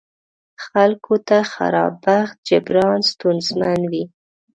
خلکو ته خراب بخت جبران ستونزمن وي.